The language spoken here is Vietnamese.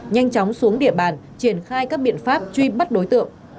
nhanh chóng xuống địa bàn triển khai các biện pháp truy bắt đối tượng